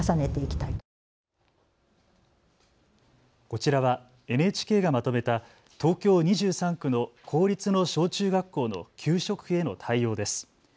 こちらはＮＨＫがまとめた東京２３区の公立の小中学校の給食費への対応です。